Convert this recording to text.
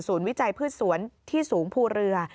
วิจัยพืชสวนที่สูงภูเรือ